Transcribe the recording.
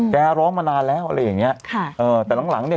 แกร้องมานานแล้วอะไรแบบเนี้ยค่ะเออแต่หลังเนี้ย